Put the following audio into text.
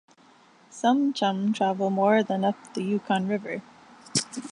Some chum travel more than up the Yukon River.